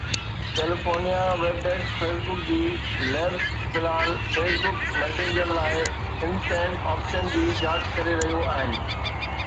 California web desk Facebook جي labs في الحال فيس بڪ ميسينجر لاءِ ان-سينڊ آپشن جي جاچ ڪري رهيون آهن.